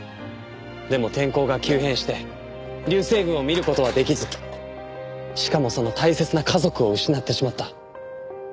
でも天候が急変して流星群を見る事はできずしかもそんな大切な家族を失ってしまった。